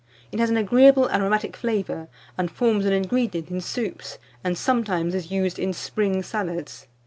It has an agreeable aromatic flavour, and forms an ingredient in soups, and sometimes is used in spring salads.